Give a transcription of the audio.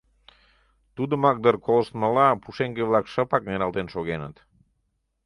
Тудымак дыр колыштмыла, пушеҥге-влак шыпак нералтен шогеныт.